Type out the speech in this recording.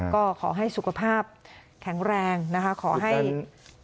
ก็ขอให้สุขภาพแข็งแรงนะคะขอให้